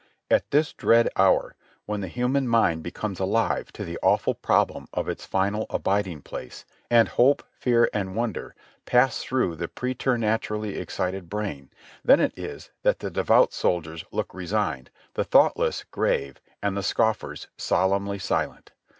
At this dread hour, when the human mind becomes alive to the awful problem of its final abiding place, and hope, fear and wonder pass through the preternaturally excited brain, then it is that the devout soldiers look resigned, the thoughtless grave, and the scoffers solemnly silent.